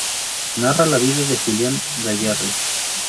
Narra la vida de Julián Gayarre.